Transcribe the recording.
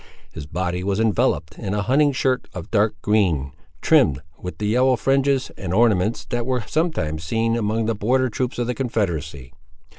His body was enveloped in a hunting shirt of dark green, trimmed with the yellow fringes and ornaments that were sometimes seen among the border troops of the Confederacy.